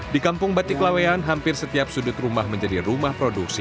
di kampung batik lawean hampir setiap sudut rumah menjadi rumah produksi